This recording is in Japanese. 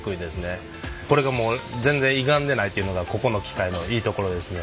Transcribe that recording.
これがもう全然いがんでないというのがここの機械のいいところですね。